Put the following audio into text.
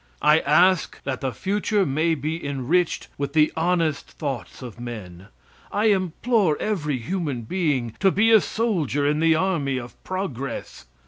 I ask that the future may be enriched with the honest thoughts of men. I implore every human being to be a soldier in the army of progress.